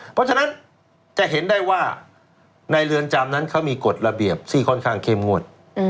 เพราะฉะนั้นจะเห็นได้ว่าในเรือนจำนั้นเขามีกฎระเบียบที่ค่อนข้างเข้มงวด